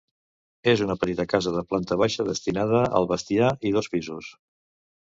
És una petita casa de planta baixa, destinada al bestiar, i dos pisos.